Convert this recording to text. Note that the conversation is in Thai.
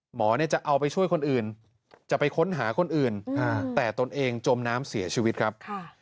หมอจะเอาไปช่วยคนอื่นจะไปค้นหาคนอื่นแต่ตนเองจมน้ำเสียชีวิตครับ